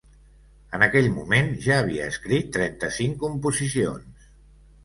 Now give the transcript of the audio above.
En aquell moment ja havia escrit trenta-cinc composicions.